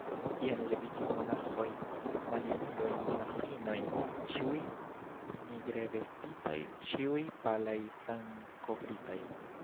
Jen leviĝis monaĥoj, maljunuloj, monaĥinoj, ĉiuj nigrevestitaj, ĉiuj palaj, sangkovritaj.